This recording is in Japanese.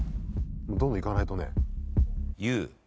どんどんいかないとね。